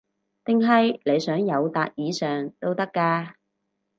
定係你想友達以上都得㗎